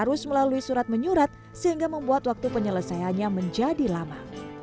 kemudian selesai dengan surat penyurat sehingga membuat waktu penyelesaiannya menjadi lama